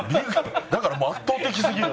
だからもう圧倒的すぎる。